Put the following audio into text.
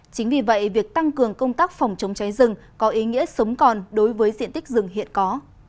chính vì vậy việc tăng cường công tác phòng chống cháy rừng có ý nghĩa sống còn đối với diện tích rừng hiện có